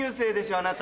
あなた。